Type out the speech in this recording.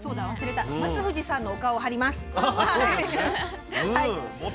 松藤さんのお顔を貼ります。